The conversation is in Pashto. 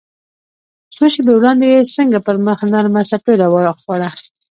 څو شېبې وړاندې يې څنګه پر مخ نرمه څپېړه وخوړه.